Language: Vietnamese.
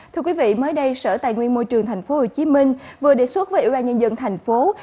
thưa quý vị mới đây sở tài nguyên môi trường tp hcm vừa đề xuất với ủy ban nhân dân thành phố